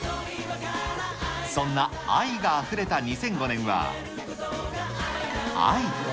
そんな愛があふれた２００５年は、愛。